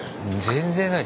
全然ない。